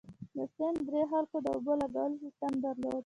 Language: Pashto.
د سند درې خلکو د اوبو لګولو سیستم درلود.